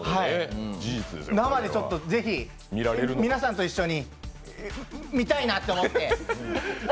生でぜひ皆さんと一緒に見たいなと思って。